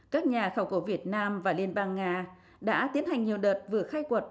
các nhà khảo cổ việt nam và liên bang nga đã tiến hành nhiều đợt vừa khai quật